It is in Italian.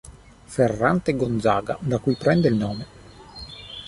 Ferrante Gonzaga da cui prende il nome.